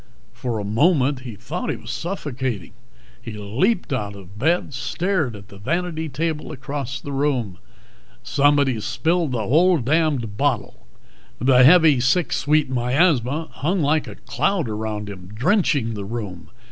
For a moment he thought he was suffocating. He leaped out of bed, stared at the vanity table across the room. "_Somebody's spilled the whole damned bottle _" The heavy sick sweet miasma hung like a cloud around him, drenching the room.